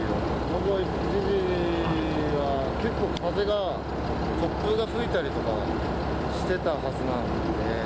午後１時は、結構風が、突風が吹いたりとかしてたはずなんで。